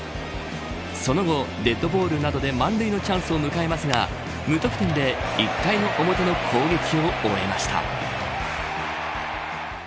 その後デッドボールなどで満塁のチャンスを迎えますが無得点で１回表の攻撃を終えました。